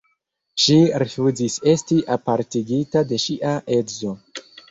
Ŝi rifuzis esti apartigita de ŝia edzo.